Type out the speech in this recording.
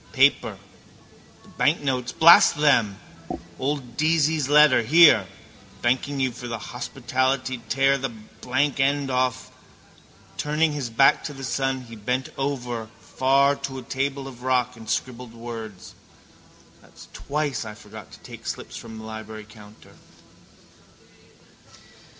Paper. The banknotes, blast them. Old Deasy's letter. Here. Thanking you for the hospitality tear the blank end off. Turning his back to the sun he bent over far to a table of rock and scribbled words. That's twice I forgot to take slips from the library counter.